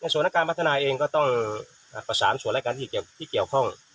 ส่วนนักการพัฒนาเองก็ต้องประสานส่วนรายการที่เกี่ยวข้อง